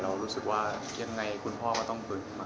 เรารู้สึกว่ายังไงคุณพ่อก็ต้องฟื้นมา